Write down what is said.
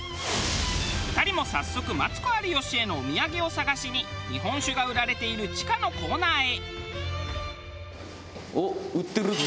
２人も早速マツコ有吉へのお土産を探しに日本酒が売られている地下のコーナーへ。